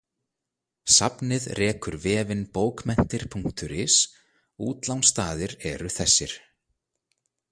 Safnið rekur vefinn bókmenntir.is Útlánsstaðir eru þessir.